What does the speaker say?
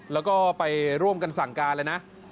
แล้วก็ไปร่วมกันสั่งการเลยนะ